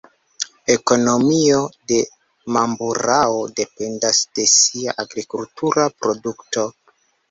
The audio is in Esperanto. Ekonomio de Mamburao dependas de sia agrikultura produkto.